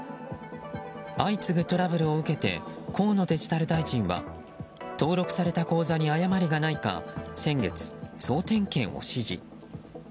相次ぐトラブルを受けて河野デジタル大臣は登録された口座に誤りがないか先月、総点検を指示。